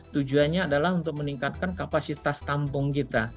tujuannya adalah untuk meningkatkan kapasitas tampung kita